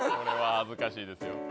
恥ずかしいですよ。